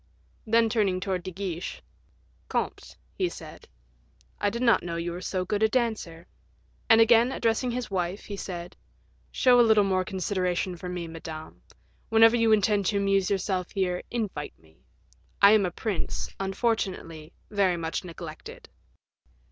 Then turning towards De Guiche, "Comte," he said, "I did not know you were so good a dancer." And, again addressing his wife, he said, "Show a little more consideration for me, Madame; whenever you intend to amuse yourselves here, invite me. I am a prince, unfortunately, very much neglected."